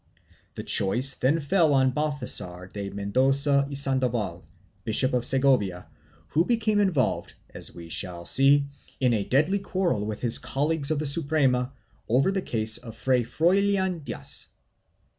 1 The choice then fell on Balthasar de Mendoza y Sandoval, Bishop of Segovia, who became involved, as we shall see, in a deadly quarrel with his colleagues of the Suprerna over the case of Fray Froilan Diaz.